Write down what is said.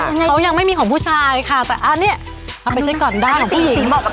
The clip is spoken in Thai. เค้ายังไม่มีของผู้ชายค่ะแต่อันนี้เอาไปใช้ก่อนได้อีก